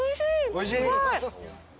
おいしい？